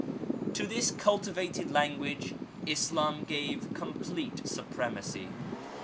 To this cultivated language Islam gave complete supremacy.